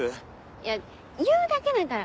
いや言うだけだから。